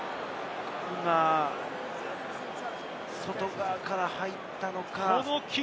外側から入ったのか？